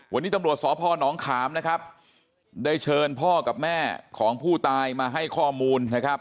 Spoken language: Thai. วันนี้ตำรวจสพนขามนะครับได้เชิญพ่อกับแม่ของผู้ตายมาให้ข้อมูลนะครับ